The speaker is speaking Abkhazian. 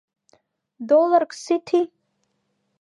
Долларк сыҭи!